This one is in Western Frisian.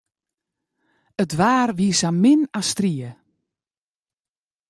It waar wie sa min as strie.